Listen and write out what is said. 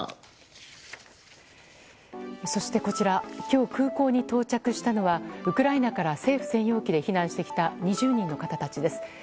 そして、今日空港に到着したのはウクライナから政府専用機で避難してきた２０人の方たちです。